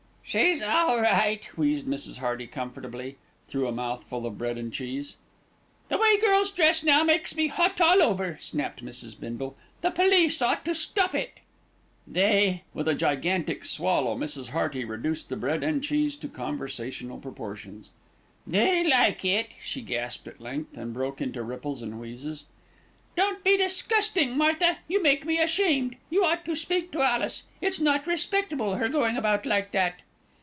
"She's all right," wheezed Mrs. Hearty comfortably, through a mouthful of bread and cheese. "The way girls dress now makes me hot all over," snapped Mrs. Bindle. "The police ought to stop it." "They," with a gigantic swallow Mrs. Hearty reduced the bread and cheese to conversational proportions, "they like it," she gasped at length, and broke into ripples and wheezes. "Don't be disgusting, Martha. You make me ashamed. You ought to speak to Alice. It's not respectable, her going about like that."